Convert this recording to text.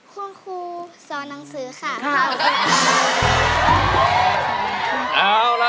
คุณครูสอนหนังสือค่ะ